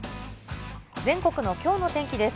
全国のきょうの天気です。